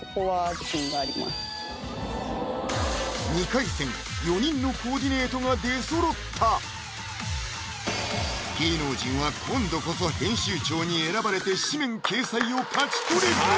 ２回戦４人のコーディネートが出そろった芸能人は今度こそ編集長に選ばれて誌面掲載を勝ち取れるのか？